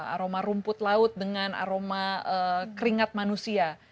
aroma rumput laut dengan aroma keringat manusia